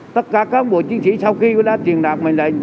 tất cả các bộ chiến sĩ sau khi đã truyền đạt bình lệnh